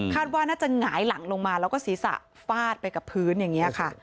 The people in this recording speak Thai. ว่าน่าจะหงายหลังลงมาแล้วก็ศีรษะฟาดไปกับพื้นอย่างนี้ค่ะ